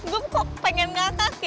gue kok pengen ngatas ya